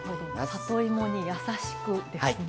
里芋に優しくですね。